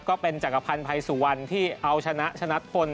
ก็เป็นจักรพันธ์ภัยสุวรรณที่เอาชนะชนะพล